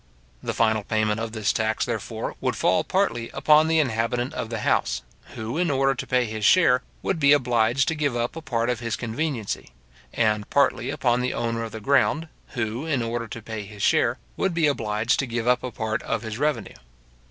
The final payment of this tax, therefore, would fall partly upon the inhabitant of the house, who, in order to pay his share, would be obliged to give up a part of his conveniency; and partly upon the owner of the ground, who, in order to pay his share, would be obliged to give up a part of his revenue.